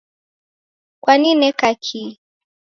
Kwanineka ki